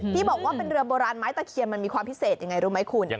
ที่บอกว่าเป็นเรือโบราณไม้ตะเคียนมันมีความพิเศษยังไงรู้ไหมคุณ